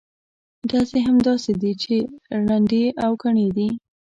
ډزې هم داسې دي چې ړندې او کڼې دي.